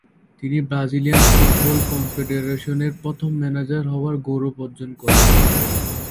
তিনি Brazilian football কনফেডারেশনের প্রথম ম্যানেজার হবার গৌরব অর্জন করেন।